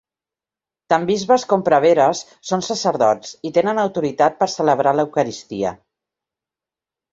Tant bisbes com preveres són sacerdots i tenen autoritat per celebrar l'eucaristia.